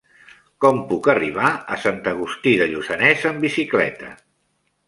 Com puc arribar a Sant Agustí de Lluçanès amb bicicleta?